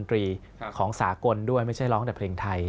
ต้องเรียนแนวดนตรีของสากลด้วยไม่ใช่ร้องแต่เพลงไทย